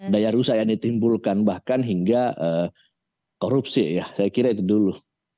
daya rusak yang ditimbulkan bahkan hingga korupsi ya saya kira itu dulu